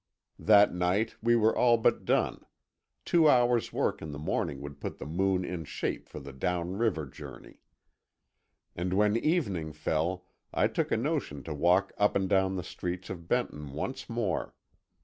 That night we were all but done; two hours' work in the morning would put the Moon in shape for the down river journey. And when evening fell I took a notion to walk up and down the streets of Benton once more.